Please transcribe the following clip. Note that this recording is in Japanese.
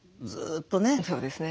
そうですね。